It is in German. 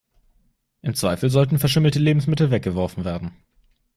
Im Zweifel sollten verschimmelte Lebensmittel weggeworfen werden.